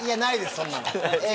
そんなの。